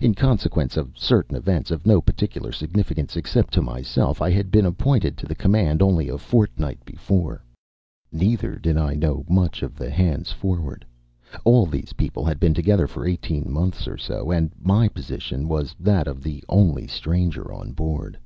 In consequence of certain events of no particular significance, except to myself, I had been appointed to the command only a fortnight before. Neither did I know much of the hands forward. All these people had been together for eighteen months or so, and my position was that of the only stranger on board.